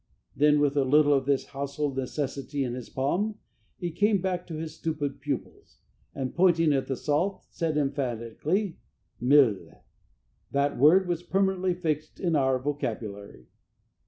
Then with a little of this household necessity in his palm, he came back to his stupid pupils, and, pointing at the salt, said emphatically, "Milh." That word was permanently fixed in our vocabulary.